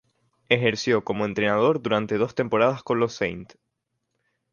Ejerció como entrenador durante dos temporadas con los St.